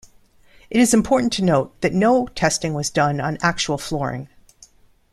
It is important to note that no testing was done on actual flooring.